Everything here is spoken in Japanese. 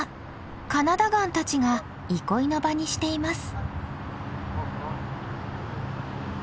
カナダガンたちが憩いの場にしています。